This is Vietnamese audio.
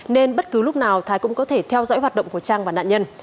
nên bất cứ lúc nào thái cũng có thể theo dõi hoạt động của trang và nạn nhân